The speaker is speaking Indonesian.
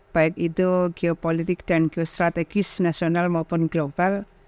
baik itu geopolitik dan geostrategis nasional maupun global